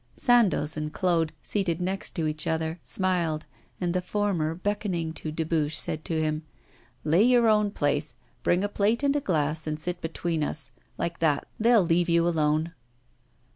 Sandoz and Claude, seated next to each other, smiled, and the former, beckoning to Dubuche, said to him: 'Lay your own place, bring a plate and a glass, and sit between us like that, they'll leave you alone.